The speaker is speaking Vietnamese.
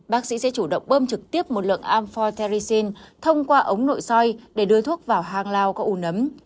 bác sĩ sẽ chủ động bơm trực tiếp một lượng ampho tericine thông qua ống nội soi để đưa thuốc vào hang lao có u nấm